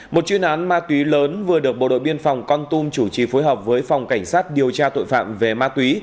một chuyên án ma túy lớn vừa được bộ đội biên phòng con tum chủ trì phối hợp với phòng cảnh sát điều tra tội phạm về ma túy